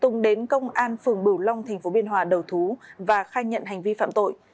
tùng đến công an phường bửu long tp biên hòa đầu thú và khai nhận hành vi phạm tội